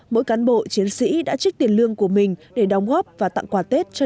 mỗi cán bộ chiến sĩ đã trích tiền lương của mình để đóng góp và tặng quà tết cho